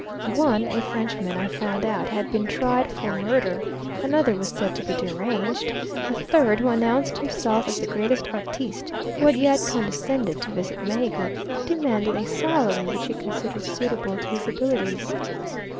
One, a Frenchman, I found out had been tried for murder another was said to be deranged a third, who announced himself as the greatest artiste who had yet condescended to visit Mexico, demanded a salary which he considered suitable to his abilities.